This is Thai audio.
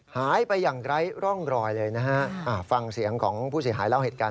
หายไปอย่างไร้ร่องรอยเลยนะฮะฟังเสียงของผู้เสียหายเล่าเหตุการณ์